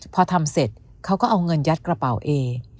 พอทำเสร็จเขาก็เอาเงินยัดกระเป๋าเอ